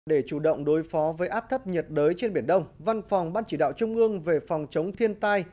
để chủ động đối phó với áp thấp nhiệt đới trên biển đông văn phòng ban chỉ đạo trung ương về phòng chống thiên tai